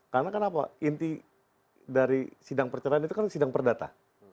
karena kenapa inti dari sidang perceraian itu kan sidang perdata